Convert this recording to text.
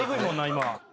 今。